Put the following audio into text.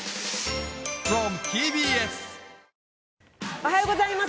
おはようございます。